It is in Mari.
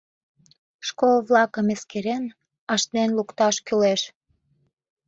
Школ-влакым эскерен, ашнен лукташ кӱлеш.